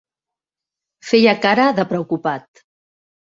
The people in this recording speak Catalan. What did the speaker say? Feia cara de preocupat.